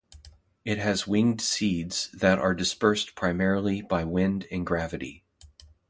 It has winged seeds that are dispersed primarily by wind and gravity.